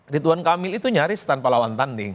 rituan kamil itu nyaris tanpa lawan tanding